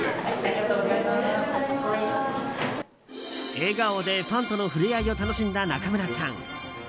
笑顔でファンとの触れ合いを楽しんだ、中村さん。